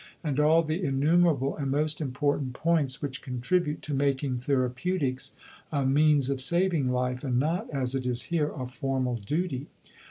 and all the innumerable and most important points which contribute to making Therapeutics a means of saving life, and not, as it is here, a formal duty.